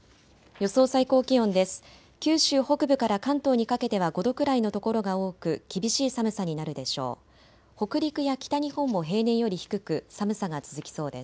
予想最高気温です。